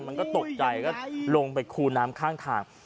มันก็ตกใจก็ลงไปคูน้ำข้างทาง